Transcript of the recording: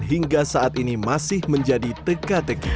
hingga saat ini masih menjadi teka teki